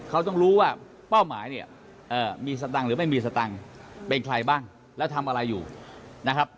เขาต้องรู้ว่าเป้าหมายเนี่ยมีสตังค์หรือไม่มีสตังค์เป็นใครบ้างแล้วทำอะไรอยู่นะครับ